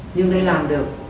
nhưng đây làm được